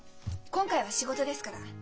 今回は仕事ですから。